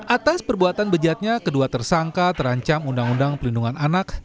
atas perbuatan bejatnya kedua tersangka terancam undang undang pelindungan anak